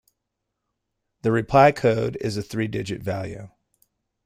The reply code is a three-digit value.